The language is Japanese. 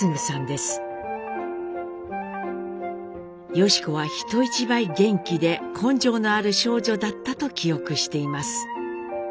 良子は人一倍元気で根性のある少女だったと記憶しています。